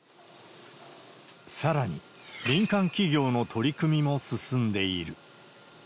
さらに、民間企業の取り組みも進んでいる。